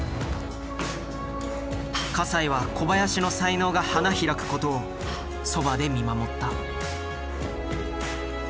西は小林の才能が花開くことをそばで見守った。